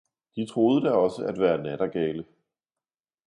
De troede da også at være nattergale.